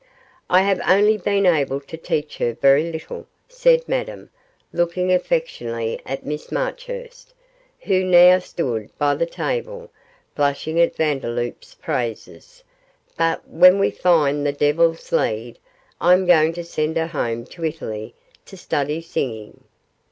'I have only been able to teach her very little,' said Madame, looking affectionately at Miss Marchurst, who now stood by the table, blushing at Vandeloup's praises, 'but when we find the Devil's Lead I am going to send her home to Italy to study singing.